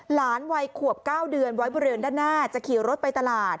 หลานวัยขวบ๙เดือนไว้บริเวณด้านหน้าจะขี่รถไปตลาด